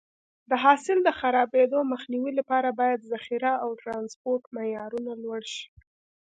د حاصل د خرابېدو مخنیوي لپاره باید ذخیره او ټرانسپورټ معیارونه لوړ شي.